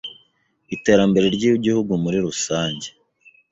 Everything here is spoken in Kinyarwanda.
iterambere ry’igihugu muri rusange